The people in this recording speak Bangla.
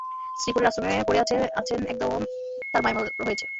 শ্রীপুরের আশ্রমে পরে আছেঋ একদম তার মায়ের মতো হয়েছে।